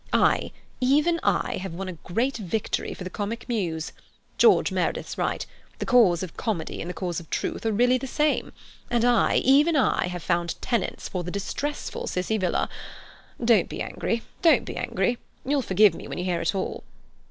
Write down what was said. I, even I, have won a great victory for the Comic Muse. George Meredith's right—the cause of Comedy and the cause of Truth are really the same; and I, even I, have found tenants for the distressful Cissie Villa. Don't be angry! Don't be angry! You'll forgive me when you hear it all."